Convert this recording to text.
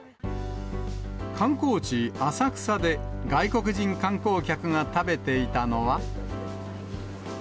観光地、浅草で外国人観光客が食べていたのは。